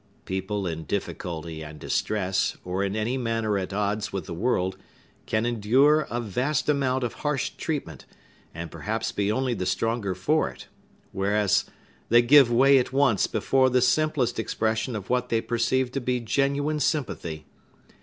People in difficulty and distress, or in any manner at odds with the world, can endure a vast amount of harsh treatment, and perhaps be only the stronger for it; whereas they give way at once before the simplest expression of what they perceive to be genuine sympathy.